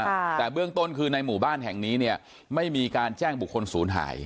ค่ะแต่เบื้องต้นคือในหมู่บ้านแห่งนี้เนี่ยไม่มีการแจ้งบุคคลศูนย์หาย